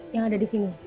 yang ada di sini